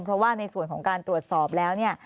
เพราะว่าในส่วนของการตรวจสอบแล้วเนี่ย